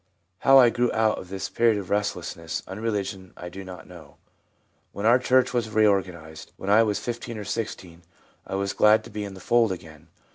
How I grew out of this period of restless unreligion I do not know. When our church was reorganised, when I was 15 or 16, I was glad to be in the fold again.